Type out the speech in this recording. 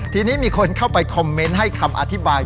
ทีนี้มีคนเข้าไปคอมเมนต์ให้คำอธิบาย